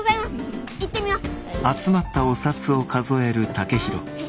行ってみます。